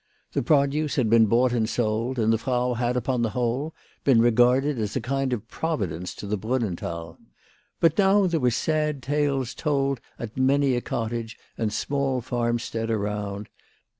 The produce had been bought and sold, and the Frau had, upon the whole, been regarded as a kind of providence to the Brunnenthal. But now there were sad tales told at many a cottage and small farmstead around.